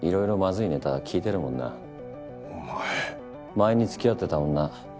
前につきあってた女